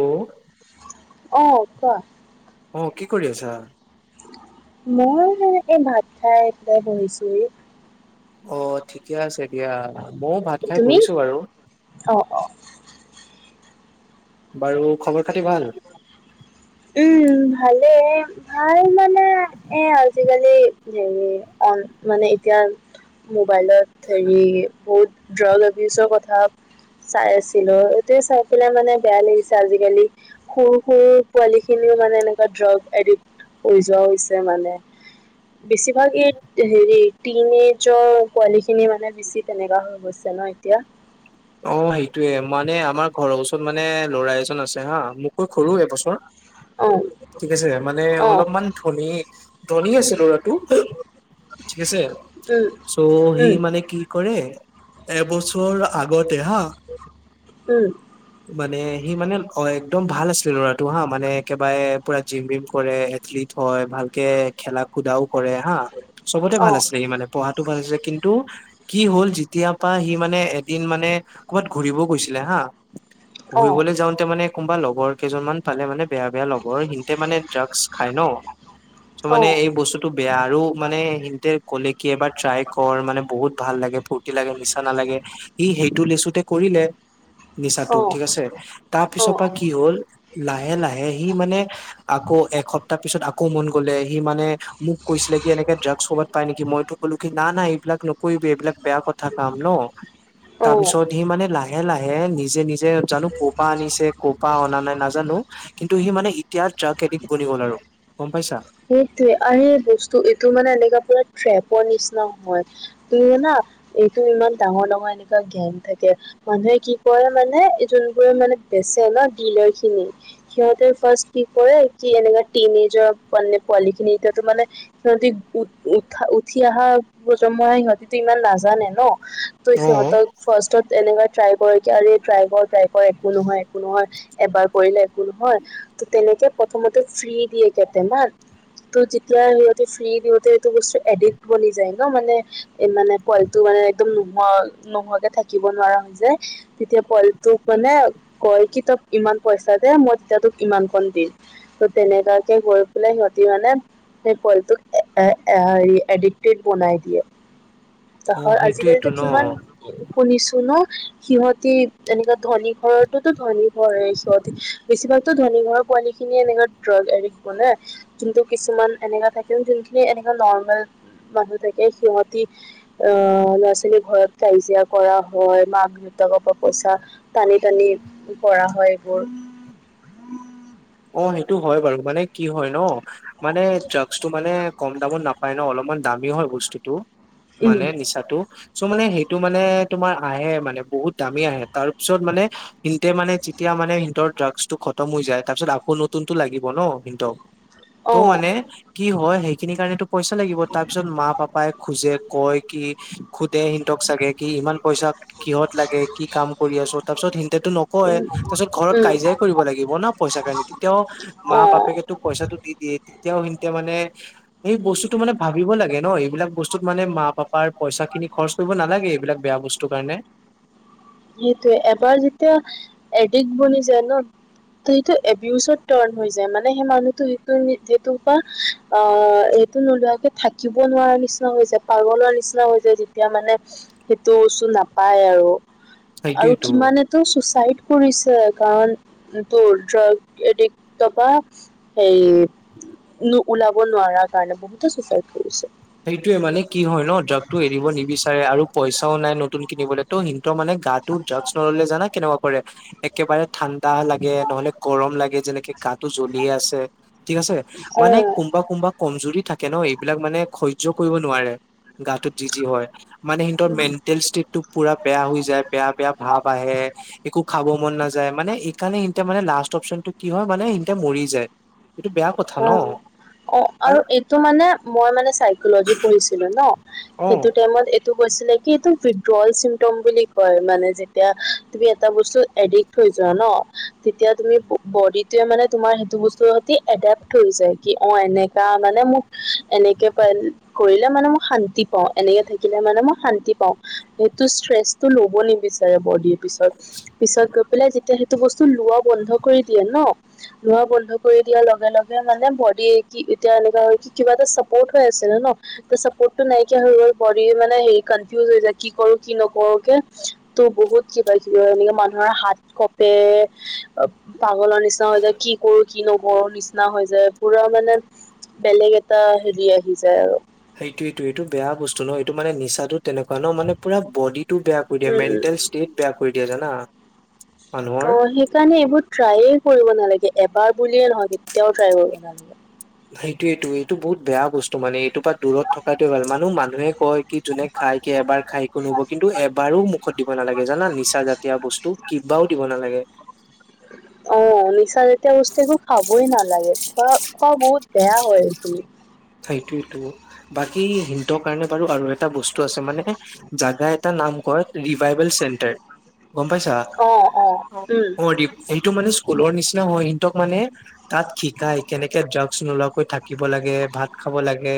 অ অ কোৱা অ কি কৰি আছা? মই সেনেকে এই ভাত খাই এতিয়া বহিছোহি অ ঠিকে আছে দিয়া মইও ভাত খাই তুমি বহিছো বাৰু অ অ বাৰু খবৰ খাতি ভাল? উম ভালেই ভাল মানে এ আজিকালি হেৰি অন মানে এতিয়া মোবাইলত হেৰি বহুত ডলভিজৰ কথা চাই আছিলো এইটোৱে চাই পেলাই মানে বেয়া লাগিছ আজিকালি সুৰ সুৰ পোৱালি খিনিও মানে এনেকুৱা ড্ৰাগছ এডিত পইচা হৈছে মানে বেছিভাগ ইত হেৰি টিনেজৰ পোৱালি খিনি মানে বেছি তেনেকোৱা হৈ গৈছে ন এতিয়া অ সেইটোয়ে মানে আমাৰ ঘৰৰ ওচৰত মানে ল'ৰা এজন আছে হা মোক কৈ সৰু এবছৰ অ ঠিক আছে মানে অলপমান ধনী ধনী আছে লৰাটো ঠিক আছে চ' সি মানে কি কৰে এবছৰ আগতে হা মানে সি মানে অ একদম ভাল আছিলে ল'ৰাটো হা মানে একেবাৰে পুৰা জিম বিম কৰে। ফ্লিথ হয় ভালকে খেলা খুদাও কৰে হা চবতে ভাল আছিলে সি মানে পঢ়াতো ভাল আছে কিন্তু কি হ'ল যেতিয়াৰ পৰা সি মানে ইন মানে ক'ৰবাত ঘুৰিবও গৈছিলে হা ঘূৰিবলৈ যাওঁতে মানে কোনোবা লগৰ কেইজনমান পালে মানে বেয়া বেয়া লগৰ সিততে মানে ড্ৰাগ খাই ন চ মানে এই বস্তু বেয়া আৰু মানে সিততে ক'লে কি এবাৰ ট্ৰাই কৰ মানে বহুত ভাল লাগে ফু ৰ্টি লাগে নিচা নালাগে ই সেইটো লিচুতে কৰিলে নিচাটো ঠিক আছে। তাৰ পিছৰ পৰা কি হ'ল, লাহে লাহে সি মানে আকৌ এসপ্তাহ পিছত আকৌ মন গ'লে সি মানে মোক কৈছিলে কি এনেকে ড্ৰাগছ ক'ৰবাত পাই নেকি মইতো কলো কি না না এইবিলাক নকৰিবি এইবিলাক বেয়া কথা কাম ন। তাৰ পিছত সি মানে লাহে - লাহে নিজে - নিজে জানো কপা আনিছে। কপা অনা নাই নাজানো কিন্তু সি মানে এতিয়া ড্ৰাগছ এডিত বনি গল আৰু গম পাইছা? সেইটোৱে, আ সেই বস্তু এইটো মানে এনেকা পুৰা ট্ৰেপৰ নিচিনা হয় তুমি না এইটো ইমান ডাঙৰ - ডাঙৰ এনেকুৱা গেং থাকে। মানুহে কি কৰে মানে যোনবোৰে মানে বেচে ন ডিলাৰখিনি সিহঁতে ফাৰ্ষ্ট কি কৰে কি এনেকোৱা টিনেজাৰ পোৱালি - পোৱালিখিনি এতিয়াটো মানে। সিহঁতি উ উঠা উঠি আহা প্ৰজন্মই সিহঁতিতো ইমান নাজানে ন? ত অ সিহতক ফাৰ্ষ্টত এনেকোৱা ট্ৰাই কৰে কি আৰু ট্ৰাই কৰ ট্ৰাই হয় একো নহয় একো নহয়। এবাৰ কৰিলে একো নহয় ত তেনেকে প্ৰথমতে ফ্ৰী দিয়ে কেটেমান। ত যেতিয়া সিহঁতে ফ্ৰী দিওঁতে সেইটো বস্তু এডিক্ট কৰি যায় ন মানে এই মানে পোৱালিটো মানে একদম নোহোৱা নোহোৱাকে থাকিব নোৱাৰা হৈ যায়। তেতিয়া পোৱালিটোক মানে কয় কি তই ইমান পইচা দে মই তেতিয়া তোক ইমান খন দিম। ত তেনেকোৱাকে গৈ পেলাই সিহঁতি মানে সেই পোৱালিটোক এ-এ-এ-এডিক্টেড বনাই দিয়ে। অ' তহৰ সেইটোয়েইটো আজিকালিতো ন কিমান শুনিছো ন, সিহঁতি এনেকুৱা ধনী ঘৰত টোতো ধনী ঘৰত এই সদি, বেছিভাগতো ধনী ঘৰৰ পোৱালিখিনিয়ে এনেকে ড্ৰাগ এডিক্ট মানে। কিন্তু কিছুমান এনেকা থাকে যোনখিনি এনেকা নৰ্মেল মানুহ থাকে সিহতি আহ ল'ৰা - ছোৱালীৰ ঘৰত কাজিয়া কৰা হয়, মাক - দেউতাকৰ পৰা পইচা টানি টানি কৰা হয় এইবোৰ। অ সেইটো হয় বাৰু। মানে কি হয় ন মানে ড্ৰাগছটো মানে কম দামত নাপায় ন, অলপমান দামী হয় বস্তুটো। উম মানে নিচাটো চ' মানে সেইটো মানে তোমাৰ আহে মানে বহুত দামী আহে, তাৰ পিছত মানে সিনতে মানে যেতিয়া মানে সিঁনতৰ ড্ৰাগছটো খতম হৈ যায় তাৰ পিছত আ কৌ নতুনটো লাগিব ন সিঁহতক, ত' অ মানে কি হয় সেইখিনি কাৰণেটো পইচা লাগিব, তাৰপিছত মা-পাপাই খোজে কয় কি খুদে সিনতক চাগে কি ইমান পইচা কিহত লাগে, কি কাম কৰি আছ? তাৰ পিছত সিনতেটো নকয়। উম তাৰ পিছত ঘৰত উম কাইজিয়াই কৰিব লাগিব না পইচা কাৰণে অ মা-বাপেকেতো পইচাটো দি দিয়ে। তেতিয়াও সিঁনতে মানে সেই বস্তুটো মানে ভাবিব লাগে। ন এইবিলাক বস্তুত মানে মা-পাপাৰ পইচাখিনি খৰচ কৰিব নালাগে এইবিলাক বেয়া বস্তুৰ কাৰণে। সেইটোৱে এবাৰ যেতিয়া এডিক্ট বনি যায় ন ত সেইটো এবিউজত টাৰ্ণ হৈ যায়। মানে সেই মানুহটো সেইটো সেইটো বা আ এইটো নোলোৱাকে থাকিব নোৱাৰা নিচিনা হৈ যায়। পাগলৰ নিচিনা হৈ যায় যেতিয়া মানে সেইটো বছো নাপায় আৰু আৰু সেইটোয়েটো। কিমানে টো চুচাইড কৰিছে কাৰণ তোৰ ড্ৰাগ এডিক্ত বা হেই নো ওলাব নোৱাৰা কাৰণে বহুতে চুচাইড কৰিছে। সেইটোৱে মানে কি হয় ন ড্ৰাগটো এৰিব নিবিচাৰে আৰু পইচাও নাই নতুন কিনিবলে। ত সিনতৰ মানে গাটো ড্ৰাগছ নললে জানা কেনেকুৱা কৰে একেবাৰে ঠাণ্ডা লাগে, নহলে গৰম লাগে যেনেকে গাটো জ্বলি আছে। ঠিক আছে অ মানে কোনবা কোনবা কমজুৰি থাকে ন। এইবিলাক মানে সহ্য কৰিব নোৱাৰে, গাটোত যি যি হয়। মানে সিনতৰ মেণ্টেল ষ্টেট টো পুৰা বেয়া হৈ যায়, বেয়া-বেয়া ভাৱ আহে, একো খাব মন না যায় মানে এইকাৰণে ইনতে মানে লাষ্ট অপচনটো কি হয় মানে ইনতে মৰি যায়। এইটো বেয়া কথা ন আৰু টো মানে মই মানে চাইকলজি পঢ়িছিলো ন, অ সেইটো টাইমত এ টো কৈছিলে কি এইটো উইড্ৰল চিমটম বুলি কয়। মানে যেতিয়া তুমি এটা বস্তু এডিক্ট হৈ যোৱা ন, তেতিয়া তুমি ব-বদিটোৱে মানে তোমাৰ সেইটো বস্তু সিহঁতি এডেপ্ত থৈ যায়, কি অ এনেকা মানে মোক এনেকে প কৰিলে মানে মোক শান্তি পাও। এনেকে থাকিলে মানে মই শান্তি পাওঁ। সেইটো ষ্ট্ৰেচটো লব নিবিচাৰে বডীত। পিছত পিছত গৈ পেলাই যেতিয়া এইটো বস্তু লোৱা বন্ধ কৰি দিয়ে ন, লোৱা বন্ধ কৰি দিয়াৰ লগে লগে এতিয়া মানে বডীয়ে কি এতিয়া এনেকুৱা হয় কি কিবা এটা চাপৰ্ট পাই আছিলে ন। চাপৰ্টটো নাইকিয়া হয় গৈ বডী মানে হেই কনফিউজ হৈ যায় কি কৰো কি নকৰো কে। ত বহুত কিবা-কিবি হয়। এনেকে মানুহৰ হাত কপে পাগলৰ নিচিনা হৈ যায় কি কৰো কি নকৰো নিচ না হৈ যায়। পুৰা মানে বেলেগ এটা হেৰি আহি যায় আৰু। সেইটোৱেটো সেইটো বেয়া বস্তু ন। এইটো মানে নিচা তেনেকুৱা ন মানে পুৰা বডিটো বেয়া কৰি দিয়ে মেণ্টেল উম ষ্টেট বেয়া কৰি দিয়ে জানা। মানুহৰ অ সেইকাৰণে এইবোৰ ট্ৰাইয়ে কৰিব নালাগে। এবাৰ বুলিয়ে নহয় কেতিয়াও ট্ৰাই কৰিব নালাগে। অ [inaudible] সেইটোয়েইটো এইটো বহুত বেয়া বস্তু মানে এইটোপা দূৰত থকাৱে ভাল মানেহ মানুহে কয় কি যোনে- খাই কে এবাৰ খাই একো নুব কিন্তু এবাৰো মুখত দিব নালাগে জানা নিচা জাতীয় বস্তু কিবাও দিব নালাগে। [inaudible] অ, নিচা জাতীয় বস্তু একো খাবই নালাগে। খোৱা খোৱা বহুত বেয়া হয় এইখিনি। সেইটোৱেটো বাকী হিনতৰ কাৰণে বাৰু আৰু এটা বস্তু আছে। মানে জাগা এটা নাম কৰ ৰিভাইবল চেণ্টাৰ গম পাইছা। অঁ অঁ অ উম। এইটো মানে স্কুলৰ নিচিনা হয় সিহঁতক মানে। তাত শিকায় কেনেকে যাওঁকচোন ওলোৱাকৈ থাকিব লাগে ভাত। খাব লাগে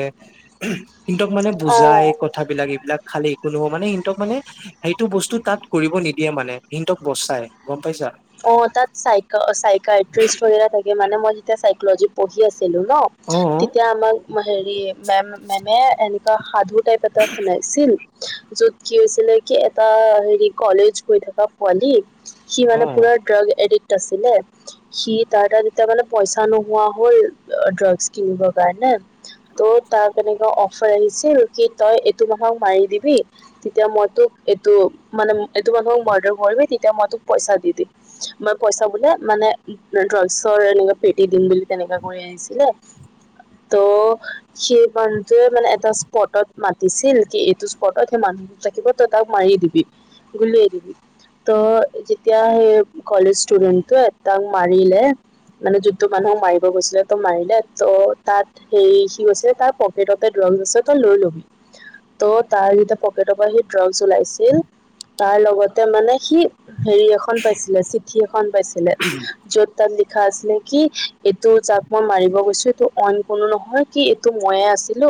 কিন্তু মানে বুজাই অ'। ক। কথাবিলাক এইবিলাক খালি একো নহ মানে ইহঁতক মানে। সেইটো বস্তু তাত কৰিব নিদিয়ে মানে সিহঁতক বচাই গম পাইছা। অঁ তাত চাইক চাইকট্ৰিষ্টে থাকে মানে মই যেতিয়া চাইকলজিত পঢ়ি আছিলো ন। অ তেতিয়া আমাক হেৰি মেম মেমে এনেকুৱা সাধু টাইপ এটা শুনাইছিল। যত কি হৈছিলে কি এটা হেৰি কলেজ গৈ থকা। পোৱালী সি অ মানে পুৰা ড্ৰাগ এডিক্ট আছিলে। সি তাৰ তাত তেতিয়া মানে পইচা নোহোৱা হল ড্ৰাগছ কিনিবৰ কাৰণে। ত' তাৰ এনেকুৱা অফাৰ আহিছিল কি তই এইটো মাহক মাৰি দিবি। তেতিয়া মই তোক এইটো মানে এইটো মানুহক মাৰ্ডাৰ কৰিবি তেতিয়া মই তোক পইচা দি দিম। মই পইচা বোলে মানে ড্ৰাগছৰ এনে পেটি দিম বুলি তেনেকা কৰি আহঁ। দিলে, ত। সেই মানুহটোৱে মানে এটা স্পটত মাতিছিল কি এইটো স্পটত সেই মানুহ। থাকিব তই তাক মাৰি দিবি, গুলিয়াই দিবি ত যেতিয়া সেই- কলেজ ষ্টুডণ্টট তাক মাৰিলে। মানে যোনটো মানুহক মাৰিব গৈছিলে তো মাৰিলে ত' তাত। হেৰি সি কৈছে তাৰ পকেটতে ড্ৰাগছ আছে তই লৈ ল'বি। ত' তাৰ যেতিয়া পকেটৰ পৰা সি ড্ৰাগছ ওলাইছিল। তাৰ লগতে মানে সি হেৰি। এখন উম। [inaudible] পাইছিলে চিঠি এখন পাইছিলে। য'ত তাত লিখা আছিলে কি এইটো যাক মই মাৰিব গৈছো এইটো অইন কোনো নহয় কি। তো মইয়ে আছিলো।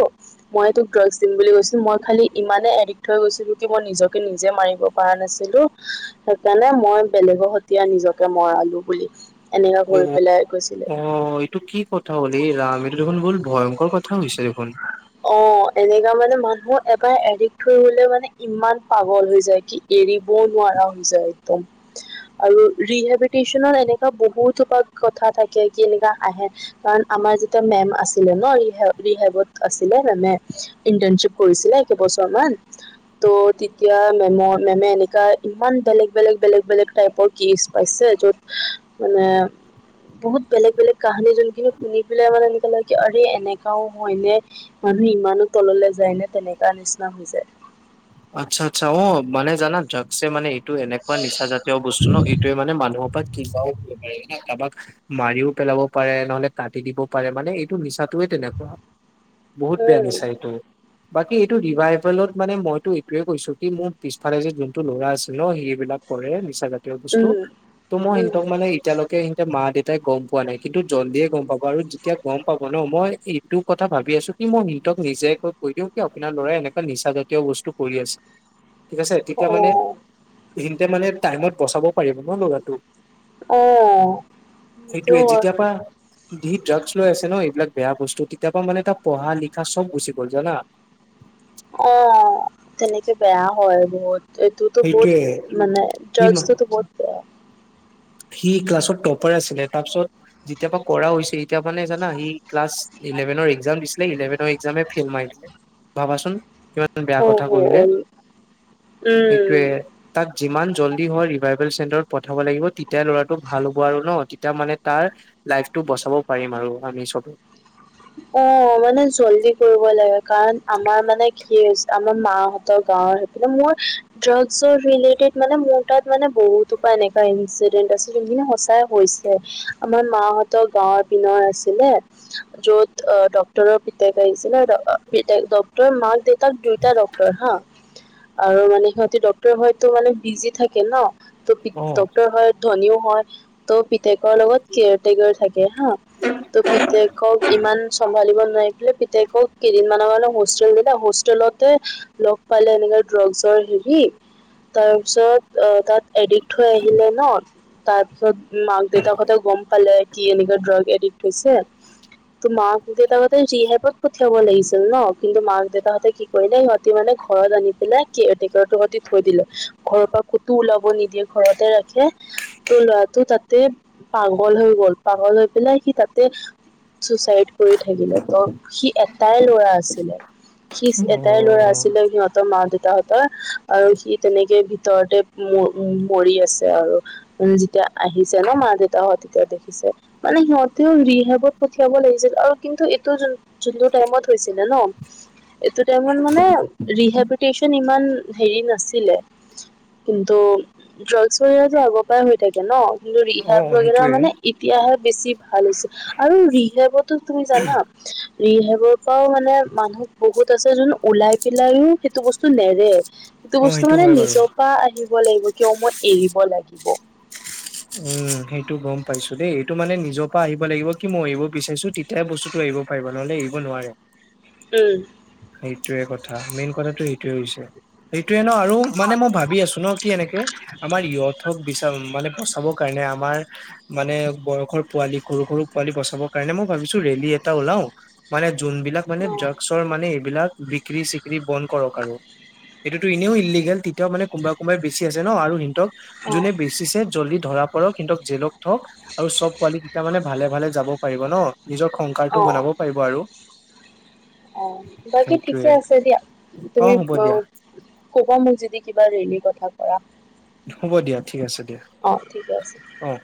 মই তোক ড্ৰাগছ দিম বুলি কৈছিলো মই খালি ইমানে এডিক্ট হৈ গৈছিলো কি মই নিজকে নিজে মাৰিব। কৰা নাছিলো সেইকাৰণে মই বেলেগৰ সতীয়া নিজকে মৰালো বুলি। এনেকা উম কৰি পেলাই কৈছিলে অঁ। এটো কি কথা হ'ল এই ৰাম এইটো দেখোন বোলো ভয়ংকৰ কথা হৈছে দেখোন। অ' এনেকা মানে মানুহ এবাৰ এৰি থৈ লে মানে ইমান পাগল হৈ যায় কি। এৰিবও নোৱাৰা হৈ যায় একদম। আৰু ৰিহেবিলটেশচন এনেকুৱা বহুত কথা থাকে কি এনেকা আহে। কাৰণ আমাৰ যেতিয়া মেম আছিলে ন ৰিহভত। আছিলে মেমে ইণ্টাৰ্ণশ্বিপ কৰিছিলে একেবছৰ মান। ত' তেতিয়া মেমৰ মেমে এনেকা ইমান বেলেগ বেলেগ, বেলেগ বেলেগ টাইপৰ। কেচ পাইছে য'ত মানে। বহুত বেলেগ বেলেগ কাহানী যোনখিনি শুনি পেলাই মানে এনেকা লাগে আৰে এনেকাও হয়নে। মানুহ ইমানো তললৈ যায় নে তেনেকা নিচিনা হৈ যায়। আচ্ছা, আচ্ছা অঁ মানে জানা ড্ৰাগছে মানে। এইটো এনেকুৱা নিচা জাতীয় বস্তু ন, এইটোয়ে মানে মানুহৰ পৰা কিবাও কৰিব পাৰে। কাৰোবাক মাৰিও পেলাব পাৰে, নহলে কাটিও দিব পাৰে মানে এইটো নিচাটোয়ে তেনেকুৱা। বহুত বেয়া উম নিচা এইটো, বাকী এইটো ৰিভাইবেলত মান মই। টো এইটোয়ে কৈছো কি, মোৰ পিছফালে যে যোনটো লৰা আছে ন সি ইবিলাক কৰে নিচাজাত- তীয় বস্তু উম ত' মই উম সিহতক মানে এতিয়ালৈকে সহতে মা দেউত- তাই গম পোৱা নাই। কিন্তু জল্ডিয়ে গম পাব আৰু যেতিয়া গম পাব ন মই এইটো কথা ভাবি আছো। কি মই মিতক নিজে কৈ দিওঁ কি আপোনাৰ লৰাই এনেকুৱা নিচা জাতীয় বস্তু। কৰি আছে, ঠিক আছে অ তেতিয়া মানে। এইখিনিতে টাইমত বচাব পাৰিব ন ল'ৰাটো। অ সেইটো সেইটোৱে, হয় যেতিয়া পৰা। ধি ড্ৰাগছ লৈ আছে ন, এইবিলাক বেয়া বস্তু তেতিয়া পা মানে তা পঢ়া লিখা চব গুচি গ'ল জানা। অ তেনেকে বেয়া হয় বহুত। টোতো বহুত সেইটোয়ে মানে সি ড্ৰাগছটো বহুত বেয়া সি ক্লাছত টপাৰ আছিলে তা পিছত, যেতিয়া পা কৰা হৈছে সিতিয়া মানে জানা সি ক্লাছ ইলেভেনৰ একজাম দিছিলে ইলেভেনৰ একজামে ফেইল মাৰি দিলে। ভাবাচোন কিমান বেয়া অ কথা হ কৰিলে। সে- টোৱে উম তাক যিমান জল্দি হয় ৰিভাইবেল চেণ্টাৰত পঠাব লাগিব তি- তেয়া ল'ৰাটো ভাল হ'ব আৰু ন তেতিয়া মানে তাৰ লাইফটো বচাব পাৰিম আৰু আমি চবে। অ মানে জল্দি কৰিব লাগে কাৰণ আমাৰ মানে কি হৈছে আমাৰ মাহত ত গাওঁৰ সেইফালে মোৰ ড্ৰাগছৰ ৰিলেটেড মানে মোৰ তাত মানে বহুতো পৰা এনেকা ইনচিডেন্ট আছে যোনখিনি সঁচাই হৈছে আমাৰ মাহত ত গাঁৱৰ পিনৰ আছিলে। যত অ ডক্টৰৰ আ পিতক আহিছিলে ডক্তৰ মাক দেউত- তাক দুইটা ডাক্তৰ হা আৰু মানে সিহঁতি ডক্টৰ হয়তো মানে বিজি থাকে ন ত অ ডাক্তৰ হয় ধনীও হয় ত পিতেকৰ লগত কেয়াৰটেকাৰ থাকে হা ত পিতেক ইমান চম্ভালিব নোৱাৰি পেলাই পিতাইক কেইদিন মানৰ কাৰে হোষ্টেল দিলে হোষ্টেলতে লগ পালে এনেকে ড্ৰাগছৰ হেৰি তাৰপিছত আহ তাত এডিত থৈ আহিলে ন তাৰপিছত মাক দেউতাৰ সতে গম পালে কি এনেকা ড্ৰাগ এডিক্ট হৈছে ত মাক দেউতাকাহঁতে ৰিহাইপত পঠিয়াব লাগিছিল ন, কিন্তু মাক দেউতাকহঁতে কি কৰিলে সিহঁতি মানে ঘৰত আনি পেলাই কেয়াৰটেকাৰ সতি থৈ দিলে ঘৰৰ পৰা কুতো ওলাব নিদিয়ে ঘৰতে ৰাখে। ত ল'ৰাটো তাতে পাগল হৈ গ'ল, পাগল হৈ পেলাই সি তাতে চুচাইড কৰি থাকিলে ত সি এটাই লৰা আছিলে। সি এটাই ল'ৰা অ আছিলে সিহঁতৰ মা দেউতাহঁত আৰু সি তেনেকে ভিতৰতে মৰি আছে আৰু। যেতিয়া আহিছে ন, মা দেউতাহ তেতিয়া দেখিছে মানে সিহঁতেও ৰিহাইবত পঠিয়াব লাগিছিল আৰু কিন্তু এইটো যোনটো টাইমত হৈছিলে ন এইটো টাইত মানে ৰিহাইভেষ্টন ইমান নাছিলে। কিন্তু ড্ৰাগছৰ ব্যৱসায় আগৰ পৰাই হৈ থাকে ন কিন্তু ৰিহাভ অ', বাগেৰা সেইটোয়ে মানে এতিয়াহে বেছি ভাল হৈছে আৰু ৰিহাভবটো তুমি জানা ৰিহাইবৰ পৰাও মানে মানুহ বহুত আছে যোন ওলাই পেলাইও সেইটো বস্তু নেৰে। সেইটো অ', বস্তু মানে হয় বাৰু নিজৰ পৰা আহিব লাগিব কিয় মই এৰিব লাগিব। উম সেইটো গম পাইছো দেই এইটো মানে নিজৰ পৰা আহিব লাগিব কি মই এৰিব বিচাৰিছো তিত- তেয়া বস্তুটো এৰিব পাৰিব নহ'লে এৰিব নোৱাৰে। উম। সেইটোয়ে কথা মেইন কথাটো সেইটোৱে হৈছে। সেইটোয়ে ন আৰু মানে মই ভাবি আছো ন কি এনেকে আমাৰ ইয়থক বিচাউন মানে বচাব কাৰ- নে আমাৰ মানে বয়সৰ পোৱালি সৰু সৰু পোৱালি বচাবৰ কাৰণে মই ভাবিছো ৰেলী এটা ওলাও মানে যোনবিলাক মানে ড্ৰাগছৰ মানে এইবিলাক বিক্ৰী চিক্ৰী বন্ধ কৰক আৰু। এইটোতো এনেও ইলিগেল তেতিয়াও মানে কোনোবাই কোনোবাই বেছি আছে ন আৰু সিহতক যোনে বেচিছে জল্দি ধৰা পৰক কিন্তু জেলক থক আৰু চব পোৱালী কেইটা মানে ভালে ভালে যাব পাৰিব ন। নিজৰ অ সংসাৰটো অ বনাব পাৰিব আৰু। অঁ বাকী ঠিকে সেইটোয়ে আছে দিয়া, অ তুমি হ'ব দিয়া অঁ- কবা মোক যদি কিবা ৰেলীৰ কথা কৰা। হ'ব দিয়া ঠিক আছে দিয়া, অ ঠিকে আছে অঁ